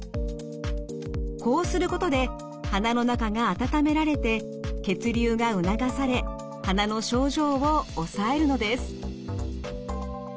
こうすることで鼻の中が温められて血流が促され鼻の症状を抑えるのです。